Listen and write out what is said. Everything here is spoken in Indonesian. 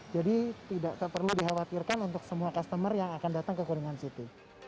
jadi tidak perlu dikhawatirkan untuk semua customer yang akan datang ke kulingan city